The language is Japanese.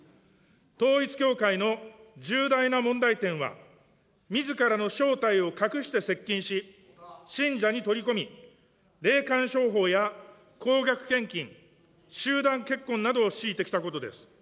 統一教会の重大な問題点は、みずからの正体を隠して接近し、信者に取り込み、霊感商法や高額献金、集団結婚などを強いてきたことです。